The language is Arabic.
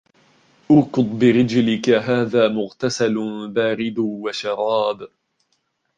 ارْكُضْ بِرِجْلِكَ هَذَا مُغْتَسَلٌ بَارِدٌ وَشَرَابٌ